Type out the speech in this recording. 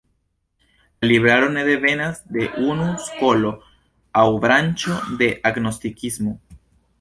La libraro ne devenas de unu skolo aŭ branĉo de gnostikismo.